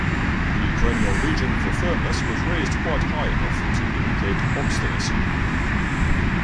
The cranial region for firmness was raised quite high enough to indicate obstinacy.